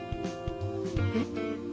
えっ？